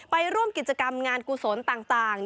ไปร่วมกิจกรรมงานกุศลต่าง